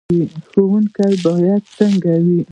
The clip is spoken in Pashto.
ښوونکی باید څنګه وي؟